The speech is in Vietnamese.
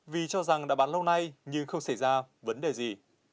vì cho rằng đã bán lâu nay nhưng không xảy ra vấn đề gì